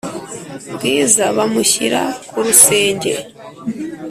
bwiza bamushyira kurusenge